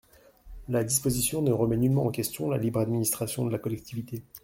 La disposition ne remet nullement en question la libre administration de la collectivité.